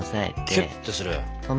キュッとする。